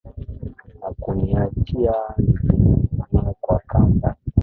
Na kuniacha nikining'inia kwa kamba